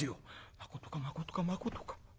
「まことかまことかまことか？